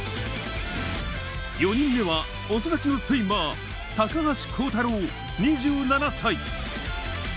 ４人目は遅咲きのスイマー、高橋航太郎２７歳。